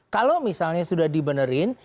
kalau misalnya sudah dibenerin